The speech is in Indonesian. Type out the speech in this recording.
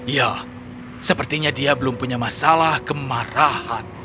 ya sepertinya dia belum punya masalah kemarahan